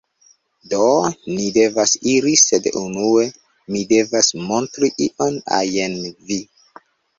Do, ni devas iri sed unue mi devas montri ion ajn vi